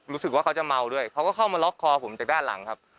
รู้สึกว่าเขาจะเมาด้วยเขาก็เข้ามาล็อกคอผมจากด้านหลังครับ